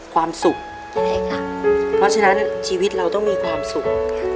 ความสุขใช่ค่ะเพราะฉะนั้นชีวิตเราต้องมีความสุข